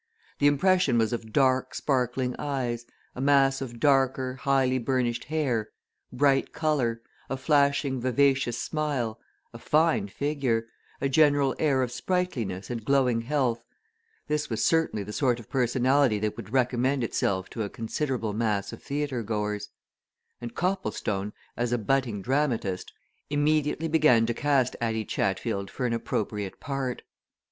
The impression was of dark, sparkling eyes, a mass of darker, highly burnished hair, bright colour, a flashing vivacious smile, a fine figure, a general air of sprightliness and glowing health this was certainly the sort of personality that would recommend itself to a considerable mass of theatre goers, and Copplestone, as a budding dramatist, immediately began to cast Addie Chatfield for an appropriate part.